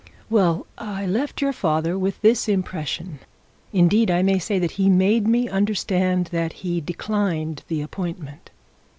Well, I left your father with this impression. Indeed, I may say that he made me understand that he declined the appointment.'